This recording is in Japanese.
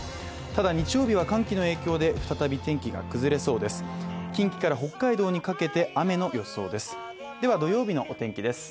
ただ日曜日は寒気の影響で再び天気が崩れそうです。